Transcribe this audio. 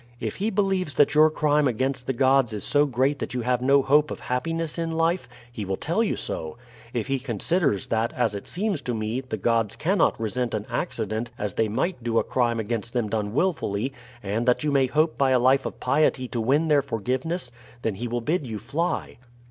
If he believes that your crime against the gods is so great that you have no hope of happiness in life, he will tell you so; if he considers that, as it seems to me, the gods cannot resent an accident as they might do a crime against them done willfully, and that you may hope by a life of piety to win their forgiveness, then he will bid you fly.